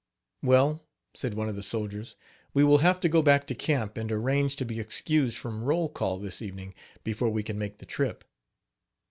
" "Well," said one of the soldiers, "we will have to go back to camp, and arrange to be excused from roll call this evening, before we can make the trip.